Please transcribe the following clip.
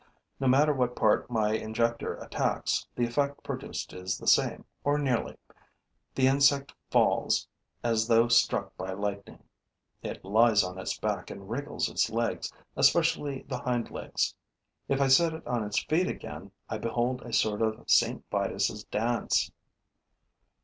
No matter what part my injector attacks, the effect produced is the same, or nearly. The insect falls as though struck by lightning. It lies on its back and wriggles its legs, especially the hind legs. If I set it on its feet again, I behold a sort of St. Vitus' dance.